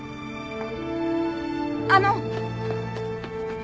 あの！